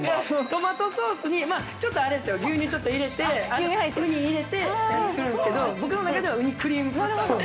トマトソースに、ちょっとあれですよ、牛乳ちょっと入れて、ウニ入れて作るんですけど、僕の場合、ウニクリームパスタ。